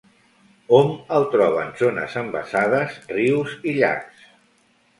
Hom el troba en zones embassades, rius i llacs.